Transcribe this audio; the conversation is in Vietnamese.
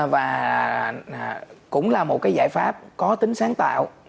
và cũng là một cái giải pháp có tính sáng tạo